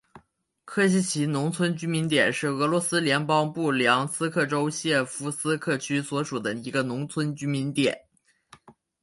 科西齐农村居民点是俄罗斯联邦布良斯克州谢夫斯克区所属的一个农村居民点。